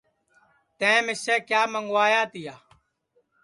تیئں مِسے کیا منٚگوایا تیا